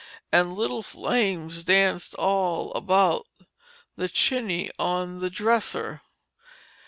An' little flames danced all about The chiny on the dresser.